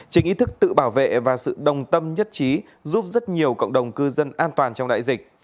chính ý thức tự bảo vệ và sự đồng tâm nhất trí giúp rất nhiều cộng đồng cư dân an toàn trong đại dịch